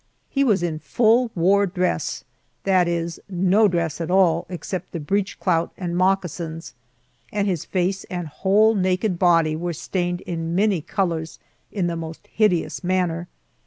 He was in full war dress that is, no dress at all except the breech clout and moccasins and his face and whole naked body were stained in many colors in the most hideous manner.